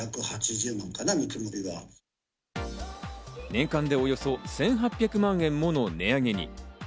年間でおよそ１８００万円もの値上げに。